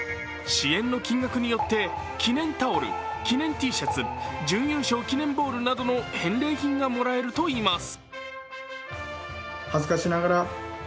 支援の金額によって記念タオル、記念Ｔシャツ、準優勝記念ボールなどの返礼がもらえるといいます。